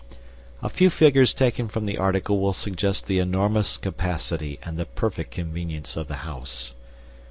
A few figures taken from the article will suggest the enormous capacity and the perfect convenience of the house.